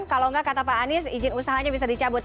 kalau enggak kata pak anies izin usahanya bisa dicabut